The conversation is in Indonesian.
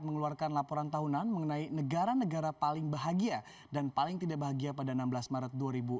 mengeluarkan laporan tahunan mengenai negara negara paling bahagia dan paling tidak bahagia pada enam belas maret dua ribu dua puluh